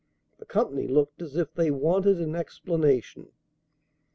[The company looked as if they wanted an explanation.